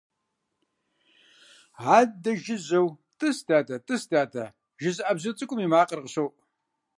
Адэ жыжьэу «тӏыс дадэ, тӏыс дадэ» жызыӏэ бзу цӏыкӏум и макъыр къыщоӏу.